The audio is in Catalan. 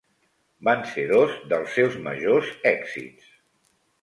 Van ser dos dels seus majors èxits.